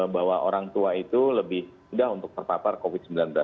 bahwa orang tua itu lebih mudah untuk terpapar covid sembilan belas